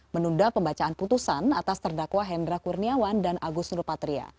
menunda pembacaan putusan atas terdakwa hendra kurniawan dan agus nurpatria